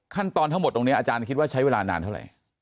ขั้นตอนทั้งหมดตรงนี้อาจารย์คิดว่าใช้เวลานานเท่าไหร่